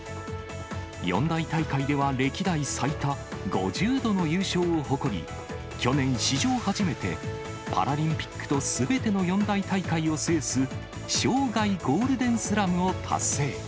四大大会では歴代最多、５０度の優勝を誇り、去年、史上初めてパラリンピックとすべての四大大会を制す、生涯ゴールデンスラムを達成。